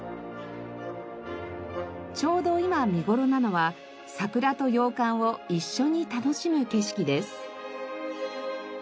ちょうど今見頃なのは桜と洋館を一緒に楽しむ景色です。